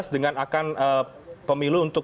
dengan akan pemilu untuk